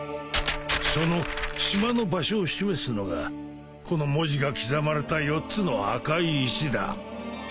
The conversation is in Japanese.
その島の場所を示すのがこの文字が刻まれた４つの赤い石だ。